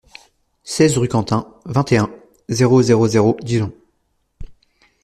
seize rue Quentin, vingt et un, zéro zéro zéro, Dijon